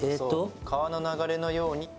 川の流れのように。